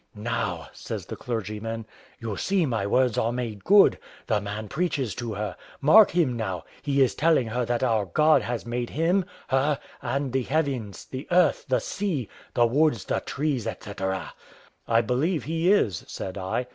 "Now," says the clergyman, "you see my words are made good, the man preaches to her; mark him now, he is telling her that our God has made him, her, and the heavens, the earth, the sea, the woods, the trees, &c." "I believe he is," said I.